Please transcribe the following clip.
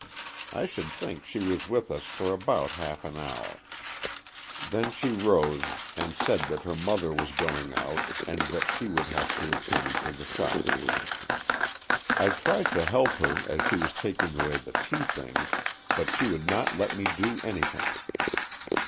I should think she was with us for about half an hour. Then she rose, and said that her mother was going out, and that she would have to attend to the shop. I tried to help 60 AN EXCHANGE OF SOULS her as she was taking away the tea things, but she would not let me do anything.